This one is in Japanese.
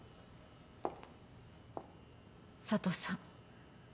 佐都さん。